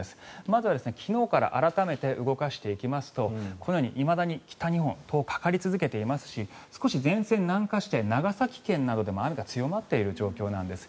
まずは昨日から改めて動かしてみますとこのようにいまだに北日本、かかり続けていますし少し前線、南下して長崎県などでも雨が強まっている状況なんです。